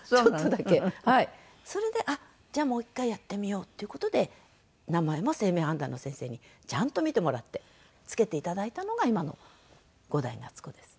それであっじゃあもう１回やってみようっていう事で名前も姓名判断の先生にちゃんと見てもらって付けていただいたのが今の「伍代夏子」です。